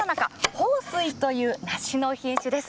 豊水という梨の品種です。